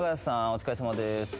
お疲れさまです